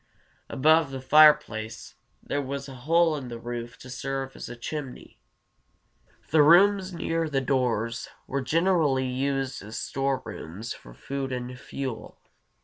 Above the fireplace there was a hole in the roof to serve as chimney. The rooms near the doors were generally used as storerooms for food and fuel.